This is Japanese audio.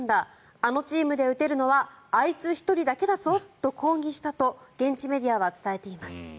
あのチームで打てるのはあいつ１人だけだぞと抗議したと現地メディアは伝えています。